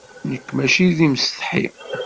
Nekk maci d imsetḥi.